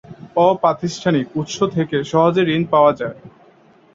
অপ্রাতিষ্ঠানিক উৎস থেকে সহজে ঋণ পাওয়া যায়।